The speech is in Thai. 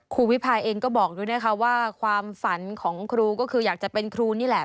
วิพาเองก็บอกด้วยนะคะว่าความฝันของครูก็คืออยากจะเป็นครูนี่แหละ